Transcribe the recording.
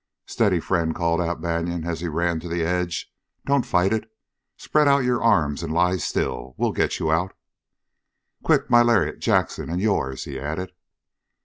"Steady, friend!" called out Banion as he ran to the edge. "Don't fight it! Spread out your arms and lie still! We'll get you out!" "Quick! My lariat, Jackson, and yours!" he added.